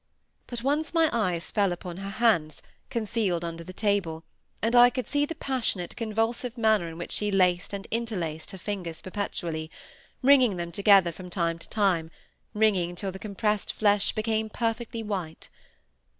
But once my eyes fell upon her hands, concealed under the table, and I could see the passionate, convulsive manner in which she laced and interlaced her fingers perpetually, wringing them together from time to time, wringing till the compressed flesh became perfectly white.